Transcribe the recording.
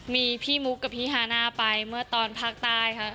มีพี่มุกกับพี่ฮาน่าไปเมื่อตอนภาคใต้ค่ะ